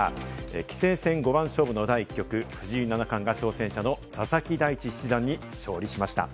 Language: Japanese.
棋聖戦五番勝負第１局、藤井七冠が挑戦者の佐々木大地七段に勝利しました。